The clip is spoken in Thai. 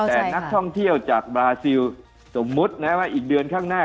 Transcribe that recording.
แต่นักท่องเที่ยวจากบราซิลสมมุตินะว่าอีกเดือนข้างหน้า